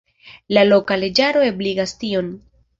La loka leĝaro ebligas tion.